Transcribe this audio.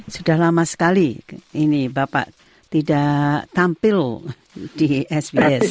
sudah lama sekali ini bapak tidak tampil di sbs